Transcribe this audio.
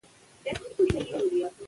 شاګرد ته اجازه ده پوښتنه وکړي.